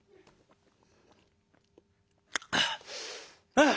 「ああ。